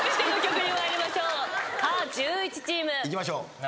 いきましょう。